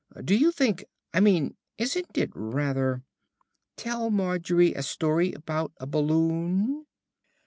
Do you think I mean, isn't it rather " "Tell Margie a story about a balloon."